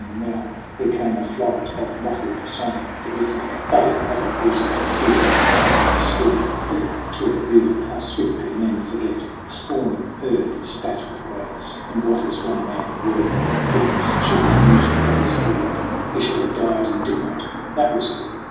And now there came a flight of muffled song, THE RETURN OF THE GHOST 105 The rhythmic thudding of a booted heel That timed a squeaking fiddle to a reel ! How swiftly men forget ! The spawning Earth Is fat with graves ; and what is one man worth That fiddles should be muted at his fall ? He should have died and did not that was all.